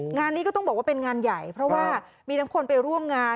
งานนี้ก็ต้องบอกว่าเป็นงานใหญ่เพราะว่ามีทั้งคนไปร่วมงาน